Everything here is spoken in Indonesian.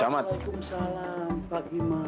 assalamualaikum psych ama